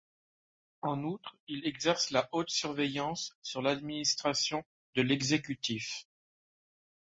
En outre, il exerce la haute surveillance sur l'administration de l'exécutif.